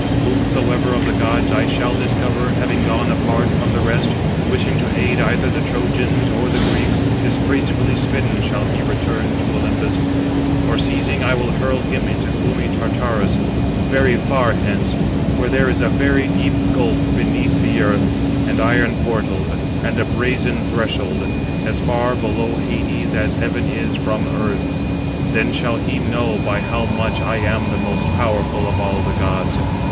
Whomsoever of the gods I shall discover, having gone apart from [the rest], wishing to aid either the Trojans or the Greeks, disgracefully smitten shall he return to Olympus: or seizing, I will hurl him into gloomy Tartarus, very far hence, where there is a very deep gulf beneath the earth, and iron portals, and a brazen threshold, as far below Hades as heaven is from earth; 267 then shall he know by how much I am the most powerful of all the gods.